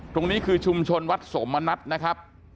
ตรงนี้คือชุมชนวัดสมณัฐนะครับ